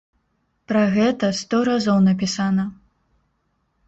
Пра гэта сто разоў напісана.